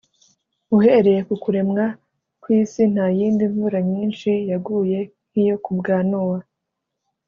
uhereye ku kuremwa kw isi ntayindi imvura nyinshi yaguye nkiyo kubwa nowa